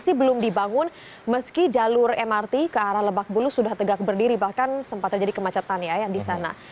masih belum dibangun meski jalur mrt ke arah lebak bulus sudah tegak berdiri bahkan sempat terjadi kemacetan ya yang di sana